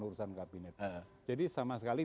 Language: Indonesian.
urusan kabinet jadi sama sekali